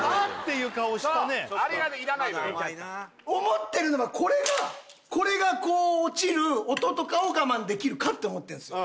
そうあれがねいらないのよ思ってるのがこれがこれがこう落ちる音とかを我慢できるかって思ってんすよ